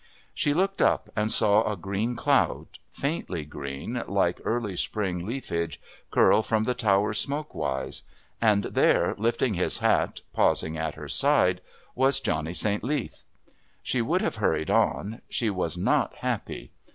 She looked up and saw a green cloud, faintly green like early spring leafage, curl from the tower smoke wise; and there, lifting his hat, pausing at her side, was Johnny St. Leath. She would have hurried on; she was not happy.